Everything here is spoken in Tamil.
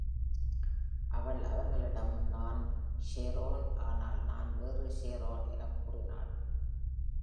அவள் அவர்களிடம், ‘நான் ஷேரோன், ஆனால் நான் வேறு ஷேரோன்’ எனக் கூறினாள்.